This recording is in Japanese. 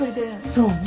そうね。